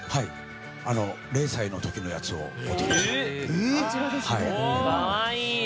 ０歳の時のやつを持ってきました。